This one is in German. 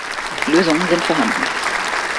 Lösungen sind vorhanden.